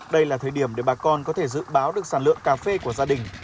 đây là thời điểm để bà con có thể dự báo được sản lượng cà phê của gia đình